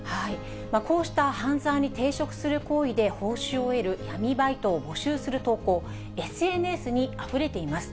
こうした犯罪に抵触する行為で報酬を得る闇バイトを募集する投稿、ＳＮＳにあふれています。